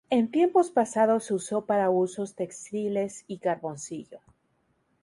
En tiempos pasados se usó para husos textiles y carboncillo.